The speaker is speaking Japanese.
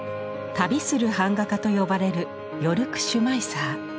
「旅する版画家」と呼ばれるヨルク・シュマイサー。